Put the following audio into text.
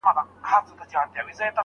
ولي خاوند تر ميرمني افضليت لري؟